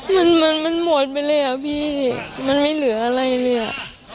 มันมันหมดไปเลยอ่ะพี่มันไม่เหลืออะไรเลยอ่ะ